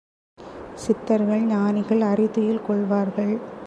சித்தர்கள், ஞானிகள், அறிதுயில் கொள்வார்கள்.